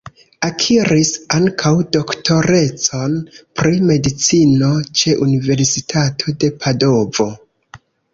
Akiris ankaŭ doktorecon pri medicino ĉe Universitato de Padovo.